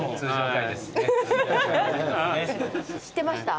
知ってました？